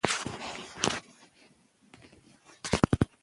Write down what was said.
د ماشوم د ستوني غږ بدلون وڅارئ.